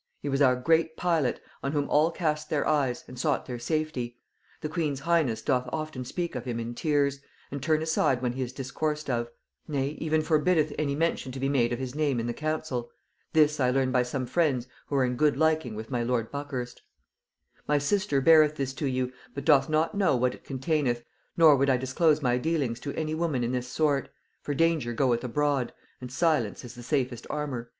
He was our great pilot, on whom all cast their eyes, and sought their safety. The queen's highness doth often speak of him in tears, and turn aside when he is discoursed of; nay, even forbiddeth any mention to be made of his name in the council. This I learn by some friends who are in good liking with my lord Buckhurst. [Note 131: Lord Buckhurst had succeeded to the office of lord treasurer on the death of Burleigh.] "My sister beareth this to you, but doth not know what it containeth, nor would I disclose my dealings to any woman in this sort; for danger goeth abroad, and silence is the safest armour."